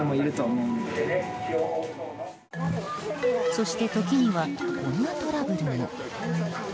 そして、時にはこんなトラブルも。